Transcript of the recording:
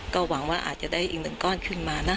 ก็หวังว่าอาจจะได้อีกหนึ่งก้อนขึ้นมานะ